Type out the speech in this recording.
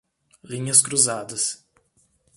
Linhas cruzadas